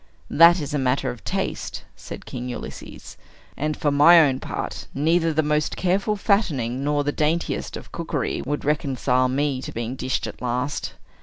"That is a matter of taste," said King Ulysses, "and, for my own part, neither the most careful fattening nor the daintiest of cookery would reconcile me to being dished at last.